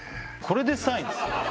これで３位ですよ